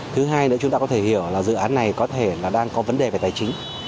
thứ hai nữa chúng ta có thể hiểu là dự án này có thể là đang có vấn đề về tài chính